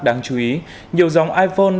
đáng chú ý nhiều dòng iphone